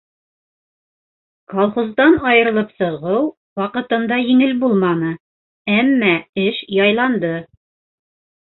Колхоздан айырылып сығыу ваҡытында еңел булманы, әммә эш яйланды.